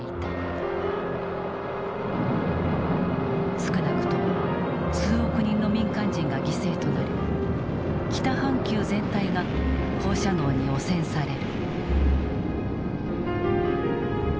少なくとも数億人の民間人が犠牲となり北半球全体が放射能に汚染される。